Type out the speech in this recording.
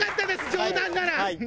冗談なら。